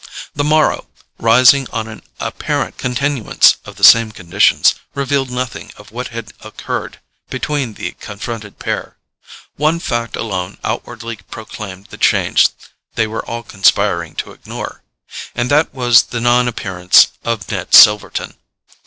The morrow, rising on an apparent continuance of the same conditions, revealed nothing of what had occurred between the confronted pair. One fact alone outwardly proclaimed the change they were all conspiring to ignore; and that was the non appearance of Ned Silverton.